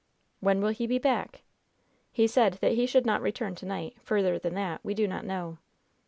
"When will he be back?" "He said that he should not return to night; further than that we do not know."